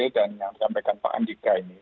dan yang disampaikan pak andika ini